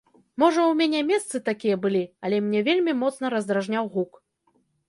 Можа ў мяне месцы такія былі, але мяне вельмі моцна раздражняў гук.